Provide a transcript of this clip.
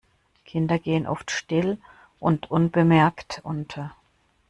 Kinder gehen oft still und unbemerkt unter.